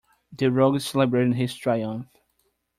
The rogue is celebrating his triumph.